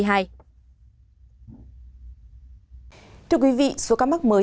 thưa quý vị số ca mắc mới